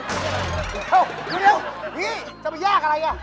นี่จะมายากอะไรอ่ะ